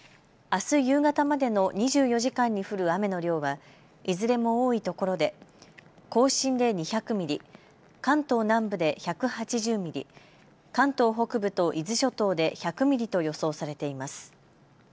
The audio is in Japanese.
あす夕方までの２４時間に降る雨の量はいずれも多いところで甲信で２００ミリ、関東南部で１８０ミリ、関東北部と伊豆諸島で１００ミリと予想されています。